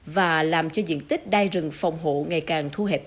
và làm cho diện tích đai rừng phòng hộ ngày càng thu hẹp